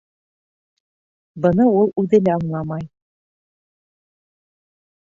Быны ул үҙе лә аңламай